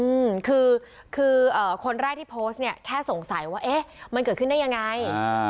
อืมคือคือเอ่อคนแรกที่โพสต์เนี้ยแค่สงสัยว่าเอ๊ะมันเกิดขึ้นได้ยังไงอ่า